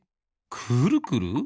くるくる？